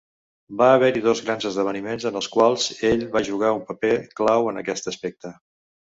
Va haver-hi dos grans esdeveniments en els quals ell va jugar un paper clau en aquest aspecte.